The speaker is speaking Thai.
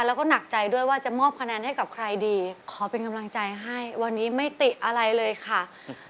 แล้วก็หนักใจด้วยว่าจะมอบคะแนนให้กับใครดีขอเป็นกำลังใจให้วันนี้ไม่ติอะไรเลยค่ะ